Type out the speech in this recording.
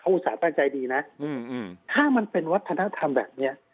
อุตส่าห์ใจดีนะถ้ามันเป็นวัฒนธรรมแบบนี้